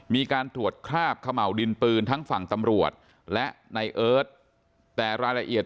มีการตรวจคราบเขม่าวดินปืนทั้งฝั่งตำรวจและในเอิร์ทแต่รายละเอียด